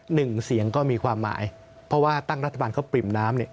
หนึ่งเสียงก็มีความหมายเพราะว่าตั้งรัฐบาลเขาปริ่มน้ำเนี่ย